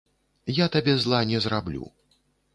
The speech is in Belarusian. Я табе зла не зраблю.